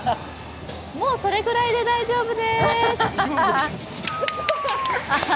もうそれぐらいで大丈夫でーす。